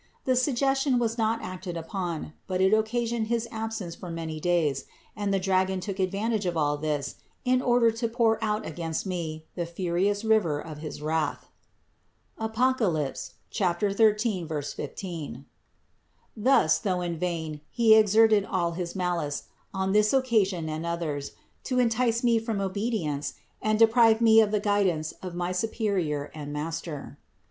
The suggestion was not acted upon, but it occasioned his absence for many days, and the dragon took advantage of all this in order to pour out against me the furious river of his wrath (Apoc. 13, 15). Thus, though in vain, he exerted all his malice, on this occasion and others, to entice me from obedience and deprive me of the guidance of my superior and master.